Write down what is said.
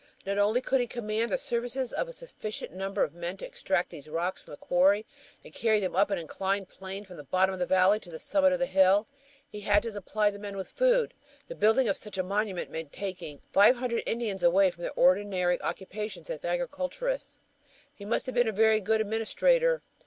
Not only could he command the services of a sufficient number of men to extract these rocks from the quarry and carry them up an inclined plane from the bottom of the valley to the summit of the hill; he had to supply the men with food. The building of such a monument meant taking five hundred Indians away from their ordinary occupations as agriculturists. He must have been a very good administrator.